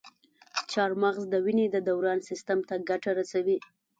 چارمغز د وینې د دوران سیستم ته ګټه رسوي.